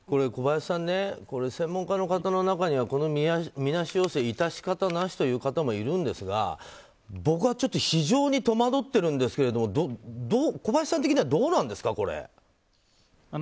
小林さん、専門家の方の中にはこのみなし陽性致し方なしという方もいるんですが僕はちょっと非常に戸惑ってるんですけど小林さん的にはどうなんですか？